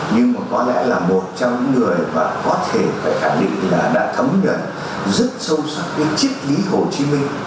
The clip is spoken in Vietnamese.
nhưng mà có lẽ là một trong những người mà có thể phải khẳng định là đã thấm nhuận rất sâu sắc cái triết lý hồ chí minh